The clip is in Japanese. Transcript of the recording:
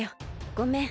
ごめん。